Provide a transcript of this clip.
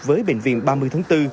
với bệnh viện ba mươi tháng bốn